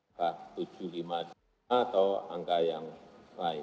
apakah tujuh puluh lima atau angka yang lain